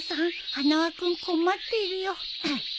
花輪君困ってるよ。